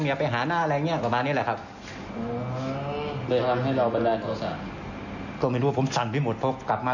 ผมก็สั่นไปหมดแล้วตั้งท่ารอเพราะจอดแทนหัวไซม์ออกมา